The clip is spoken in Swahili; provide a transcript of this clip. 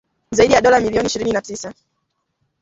Zaidi ya dola milioni ishirini na tisa